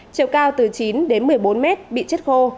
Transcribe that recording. chiều cao từ chín một mươi bốn m bị chết khô